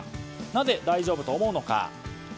なぜ大丈夫と思うのか。